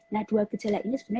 nah dua gejala ini sebenarnya